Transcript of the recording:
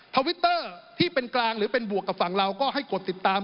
ทวิตเตอร์ที่เป็นกลางหรือเป็นบวกกับฝั่งเราก็ให้กดติดตาม